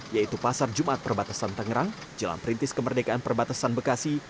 yaitu pasar jumat perbatasan tangerang jalan perintis kemerdekaan perbatasan bekasi